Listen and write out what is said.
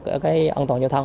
trên sao được nó tặng